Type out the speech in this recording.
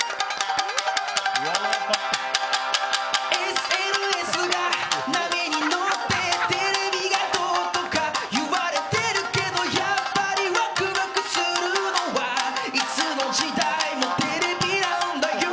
ＳＮＳが波に乗ってテレビがどうとか言われてるけどやっぱりワクワクするのはいつの時代もテレビなんだよ！